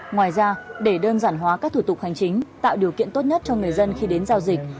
ngoài ra để đơn giản hóa các thủ tục hành chính tạo điều kiện tốt nhất cho người dân khi đến giao dịch